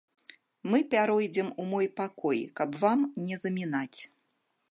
Мы пяройдзем у мой пакой, каб вам не замінаць.